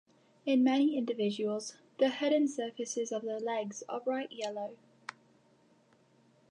In many individuals, the hidden surfaces of their legs are bright yellow.